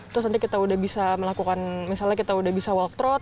terus nanti kita sudah bisa melakukan misalnya kita sudah bisa walk trot